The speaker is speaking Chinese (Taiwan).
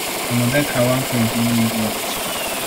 我們在台灣可以建立一個網站